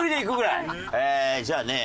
じゃあね